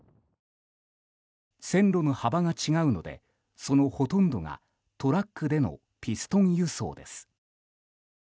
線路の幅が違うのでそのほとんどがトラックでのピストン輸送です。